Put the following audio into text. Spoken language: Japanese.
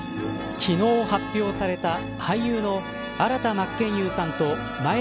昨日、発表された俳優の新田真剣佑さんと眞栄田